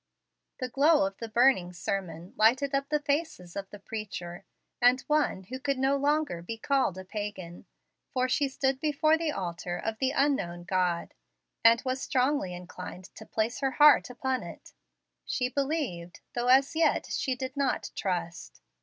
The glow of the burning sermon lighted up the faces of the Preacher and one who could no longer be called a Pagan, for she stood before the altar of "the unknown God," and was strongly inclined to place her heart upon it. She believed, though as yet she did not trust.